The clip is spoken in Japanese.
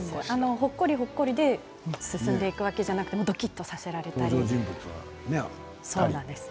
ほっこりほっこりで進んでいくわけでもなくてどっきりさせられたりもします。